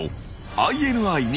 ＩＮＩ西。